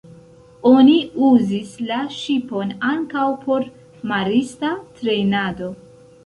Oni uzis la ŝipon ankaŭ por marista trejnado.